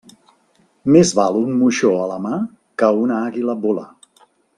Més val un moixó a la mà que una àguila volar.